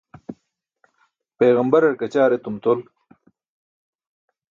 Peġambarar kaćaar etum tol.